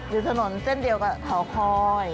อยู่ถนนเส้นเดียวกับเขาคอย